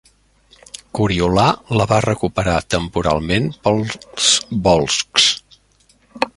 Coriolà la va recuperar temporalment pels volscs.